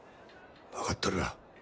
分かっとるわ。